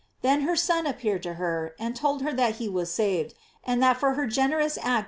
Then her son appeared to her, and told her that he was saved, and that for her generous act * In Vit» t Cantiprat.